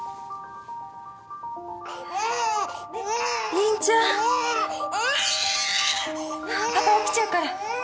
凛ちゃん。パパ起きちゃうから。